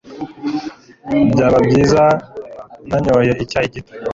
Byaba byiza nanyoye icyayi gito